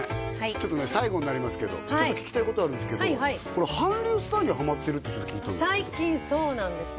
ちょっとね最後になりますけど聞きたいことあるんですけど韓流スターにハマってるってちょっと聞いたんですけど最近そうなんですよ